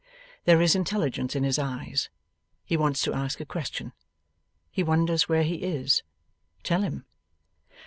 There is intelligence in his eyes. He wants to ask a question. He wonders where he is. Tell him.